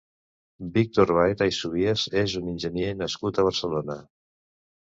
Víctor Baeta i Subías és un enginyer nascut a Barcelona.